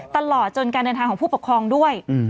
ตลอดจนการเดินทางของผู้ปกครองด้วย